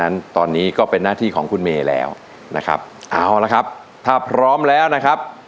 อินโทรยกที่๒มาเลยครับ